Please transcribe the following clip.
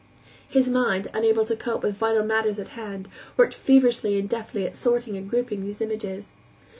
His mind, unable to cope with vital matters near at hand, worked feverishly and deftly at sorting and grouping these images.